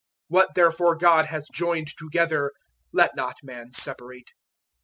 010:009 What, therefore, God has joined together let not man separate."